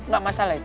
gak masalah itu